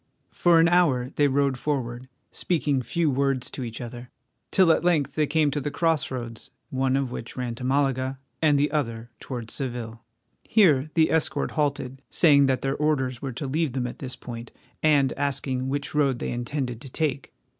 For an hour they rode forward, speaking few words to each other, till at length they came to the cross roads, one of which ran to Malaga, and the other towards Seville. Here the escort halted, saying that their orders were to leave them at this point, and asking which road they intended to take.